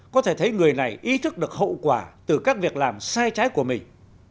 có thể thấy người này ý thức được hậu quả từ các việc làm sai trái của mình